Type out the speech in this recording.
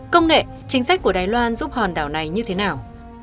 công nghệ chính sách của đài loan giúp hòn đảo này như thế nào